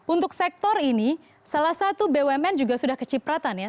untuk sektor ini salah satu bumn juga sudah kecipratan ya